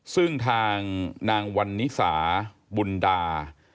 ซึ่งทางนางวันนิสาบุญดา